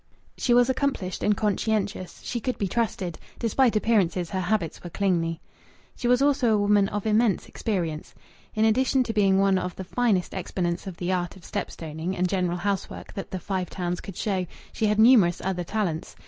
She was accomplished and conscientious; she could be trusted; despite appearances, her habits were cleanly. She was also a woman of immense experience. In addition to being one of the finest exponents of the art of step stoning and general housework that the Five Towns could show, she had numerous other talents.